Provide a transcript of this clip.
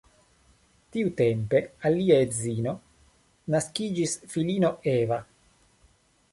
Tiutempe al lia edzino naskiĝis filino Eva.